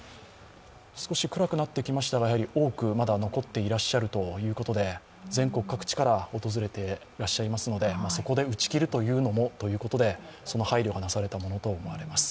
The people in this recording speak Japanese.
少し暗くなってきましたが、まだ多く残ってらっしゃるということで全国各地から訪れていらっしゃいますので、そこで打ち切るというのもということでその配慮がなされたものとみられます。